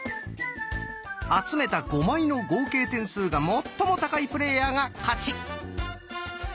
集めた５枚の合計点数が最も高いプレーヤーが勝ち。